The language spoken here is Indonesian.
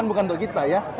bukan untuk kita ya